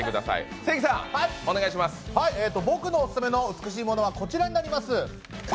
僕のオススメの美しいものはこちらになります。